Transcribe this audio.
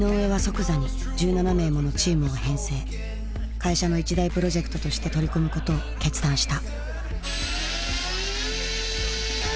会社の一大プロジェクトとして取り組むことを決断した。